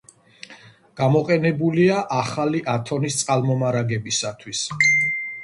გამოყენებულია ახალი ათონის წყალმომარაგებისათვის.